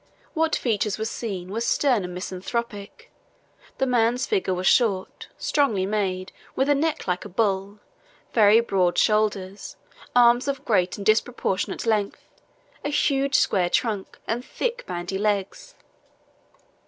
What features were seen were stern and misanthropical. The man's figure was short, strongly made, with a neck like a bull, very broad shoulders, arms of great and disproportioned length, a huge square trunk, and thick bandy legs.